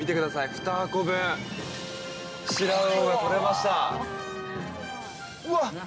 ２箱分シラウオが取れました。